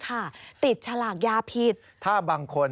อมให้ดูหน่อย